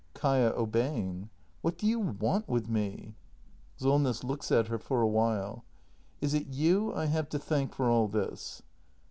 Kaia. [Obeyi?ig.] What do you want with me? Solness. [Looks at her for a while.] Is it you I have to thank for all this